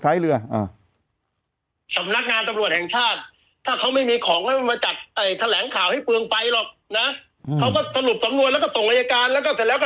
ถ้าเขาไม่มีของก็มาจัดเอ่ยแถลงข่าวให้เปลืองไฟ